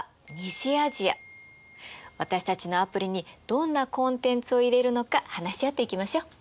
私たちのアプリにどんなコンテンツを入れるのか話し合っていきましょう。